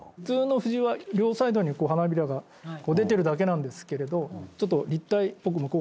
普通の藤は両サイドに花びらが出てるだけなんですけれどちょっと立体っぽく。